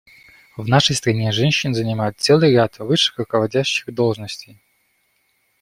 В нашей стране женщины занимают целый ряд высших руководящих должностей.